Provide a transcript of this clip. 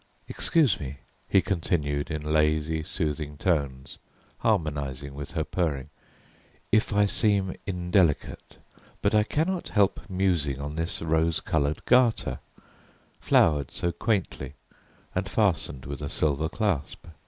"Excuse me," he continued in lazy soothing tones, harmonizing with her purring, "if I seem indelicate, but I cannot help musing on this rose coloured garter, flowered so quaintly and fastened with a silver clasp.